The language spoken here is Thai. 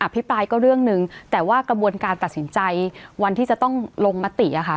พิปรายก็เรื่องหนึ่งแต่ว่ากระบวนการตัดสินใจวันที่จะต้องลงมติอะค่ะ